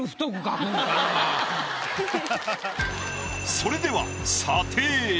それでは。